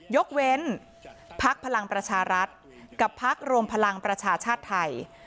ยกเว้นพักพลังประชารัฐกับพักรวมพลังประชาชาติไทย